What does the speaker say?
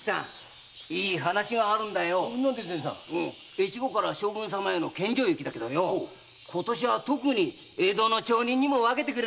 越後から将軍様への献上雪だけどよ今年は特に江戸の町人にもわけてくれるんだってよ！